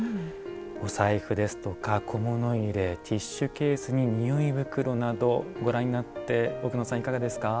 お財布ですとか小物入れティッシュケースに匂い袋などご覧になって奥野さんいかがですか？